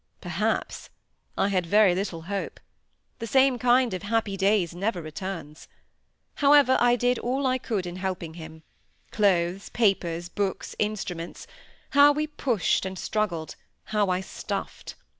Perhaps! I had very little hope. The same kind of happy days never returns. However, I did all I could in helping him: clothes, papers, books, instruments; how we pushed and struggled—how I stuffed.